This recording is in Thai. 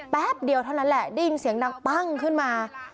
แป๊บเดียวเท่านั้นแหละได้ยินเสียงดังปั้งขึ้นมา